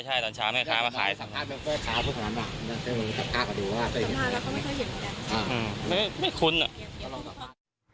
ใช่ใช่ตอนเช้าแม่ค้ามาขายสังฆาตแม่ค้าทุกวันอ่ะ